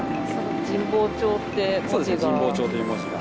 神保町って文字が。